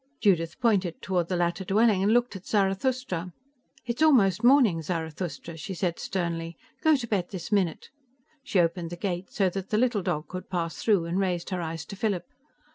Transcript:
Judith pointed toward the latter dwelling and looked at Zarathustra. "It's almost morning, Zarathustra," she said sternly. "Go to bed this minute!" She opened the gate so that the little dog could pass through and raised her eyes to Philip.